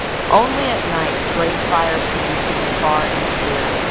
Only at night great fires could be seen far in his rear.